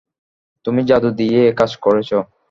তুমি জাদু দিয়ে এ কাজ করেছ?